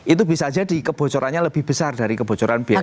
itu bisa jadi kebocorannya lebih besar dari kebocoran biaya